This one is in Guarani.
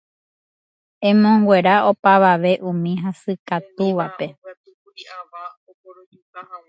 emonguera opavave umi hasykatúvape